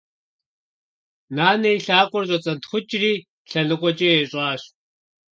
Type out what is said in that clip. Нанэ и лъакъуэр щӏэцӏэнтхъукӏри лъэныкъуэкӏэ ещӏащ.